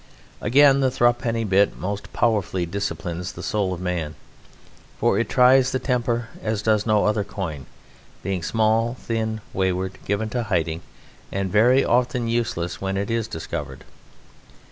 Again, the thruppenny bit most powerfully disciplines the soul of man, for it tries the temper as does no other coin, being small, thin, wayward, given to hiding, and very often useless when it is discovered.